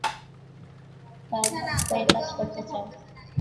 কার হয়ে কাজ করত ও?